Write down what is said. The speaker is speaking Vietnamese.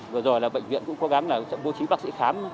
vừa rồi là bệnh viện cũng cố gắng là bố trí bác sĩ khám